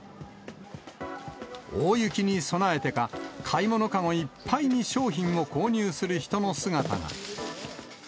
大雪に備えてか、買い物籠いっぱいに商品を購入する人の姿が。